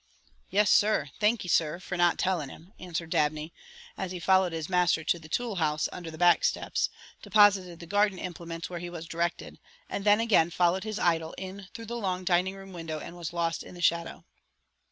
"Yes, sir, thanky, sir, fer not telling him," answered Dabney, as he followed his master to the tool house under the back steps, deposited the garden implements where he was directed, and then again followed his idol in through the long dining room window and was lost in the shadow.